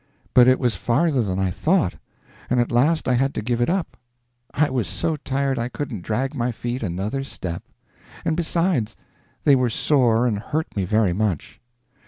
But it was farther than I thought, and at last I had to give it up; I was so tired I couldn't drag my feet another step; and besides, they were sore and hurt me very much.